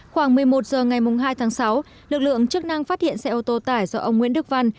khoảng một mươi một h ngày hai tháng sáu lực lượng chức năng phát hiện xe ô tô tải do ông nguyễn đức văn